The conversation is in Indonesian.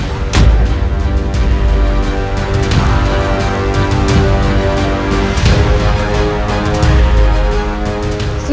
siapa yang rai maksud